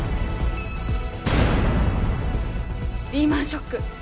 リーマンショック！